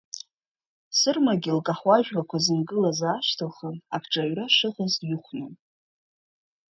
Сырмагы лкаҳуа жәгақәа зынгылаз аашьҭылхын, акҿаҩра шыҟаз дҩыхәнон.